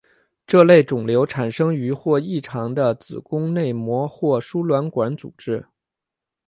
这类肿瘤产生于或异常的子宫内膜或输卵管组织。